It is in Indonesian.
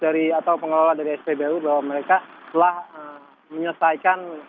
atau pengelola dari spbu bahwa mereka telah menyelesaikan